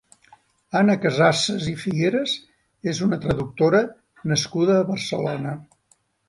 Anna Casassas i Figueras és una traductora nascuda a Barcelona.